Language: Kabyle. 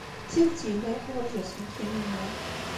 D tidet yella yeḥwaj aselkim-nni.